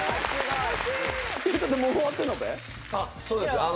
そうです。